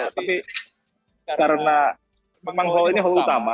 tapi karena memang hal ini hal utama